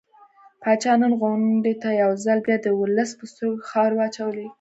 پاچا نن غونډې ته يو ځل بيا د ولس په سترګو کې خاورې واچولې.